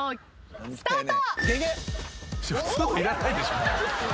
スタート。